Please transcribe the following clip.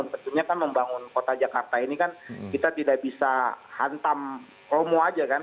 tentunya kan membangun kota jakarta ini kan kita tidak bisa hantam promo aja kan